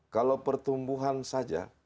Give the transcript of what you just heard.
kalau pertumbuhan saja